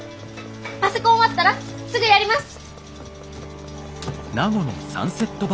パセコン終わったらすぐやります！